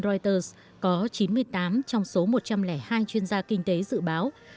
reuters có chín mươi tám trong số một trăm linh hai chuyên gia kinh tế dự báo